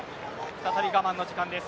再び我慢の時間です。